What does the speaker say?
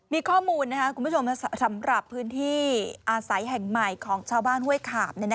มีข้อมูลคุณผู้ชมสำหรับพื้นที่อาศัยแห่งใหม่ของชาวบ้านห้วยขาบ